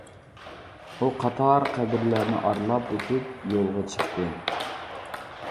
ئۇ قاتار قەبرىلەرنى ئارىلاپ ئۆتۈپ، يولغا چىقتى.